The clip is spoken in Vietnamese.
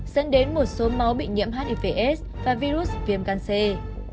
dẫn đến một số máu bị nhiễm hivs và virus viêm cancer